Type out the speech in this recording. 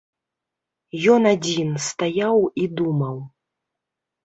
Ён адзін стаяў і думаў.